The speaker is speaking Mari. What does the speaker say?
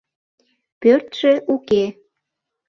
Пӧртшӧ уке!